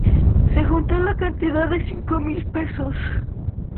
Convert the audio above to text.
Se juntó la cantidad de cinco mil pesos.